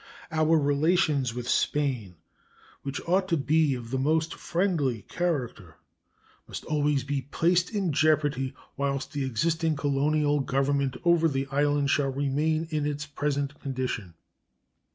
Our relations with Spain, which ought to be of the most friendly character, must always be placed in jeopardy whilst the existing colonial government over the island shall remain in its present condition.